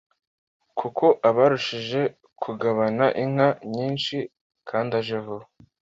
kuko abarushije kugabana inka nyinshi kandi aje vuba.